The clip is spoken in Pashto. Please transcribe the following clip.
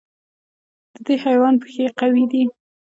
د دې حیوان پښې قوي دي.